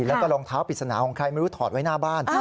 แล้วก็รองเท้าปริศนาของใครไม่รู้ถอดไว้หน้าบ้าน